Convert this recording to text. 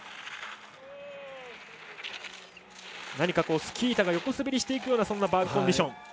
何かスキー板が横滑りしていくようなそんなバーンコンディション。